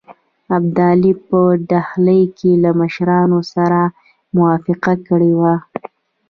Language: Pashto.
ابدالي په ډهلي کې له مشرانو سره موافقه کړې وه.